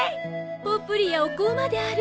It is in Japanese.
ポプリやお香まである。